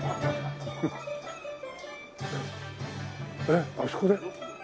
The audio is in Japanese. えっあそこで。